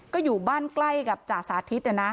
ก็อยู่บ้านใกล้กับจ่าสาธิต